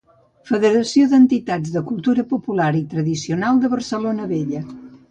Federació d'Entitats de cultura popular i tradicional de Barcelona Vella.